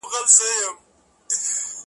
د کفن له غله بېغمه هدیره وه؛